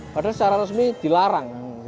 padahal secara resmi dilarang